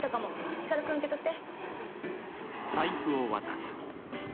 光くん受け取って。